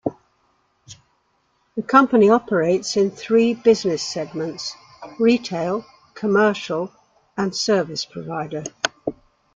The company operates in three business segments: retail, commercial, and service provider.